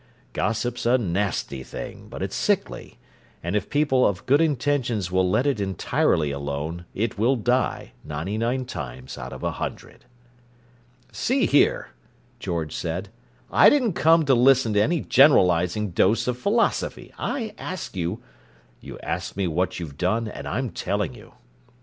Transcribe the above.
Gossip's a nasty thing, but it's sickly, and if people of good intentions will let it entirely alone, it will die, ninety nine times out of a hundred." "See here," George said: "I didn't come to listen to any generalizing dose of philosophy! I ask you—" "You asked me what you've done, and I'm telling you."